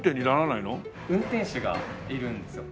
運転手がいるんですよ。